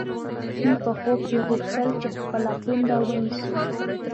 سپی په خوب کې غوښتل چې خپل پونده ونیسي.